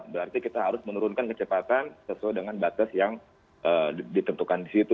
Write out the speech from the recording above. berarti kita harus menurunkan kecepatan sesuai dengan batas yang ditentukan di situ